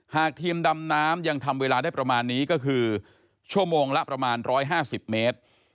หากทีมดำน้ำยังทำเวลาได้ประมาณนี้ก็คือชั่วโมงละประมาณ๑๕๐เมตร